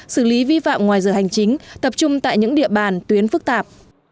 xử lý vi phạm ngoài giờ hành chính tập trung tại những địa bàn tuyến phức tạp